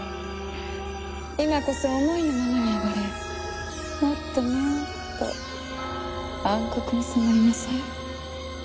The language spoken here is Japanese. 今こそ思いのままに暴れもっともっと暗黒に染まりなさい。